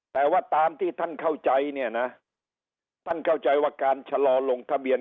แต่ว่าตามที่ท่านเข้าใจเนี่ยนะท่านเข้าใจว่าการชะลอลงทะเบียน